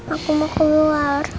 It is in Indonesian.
aku mau keluar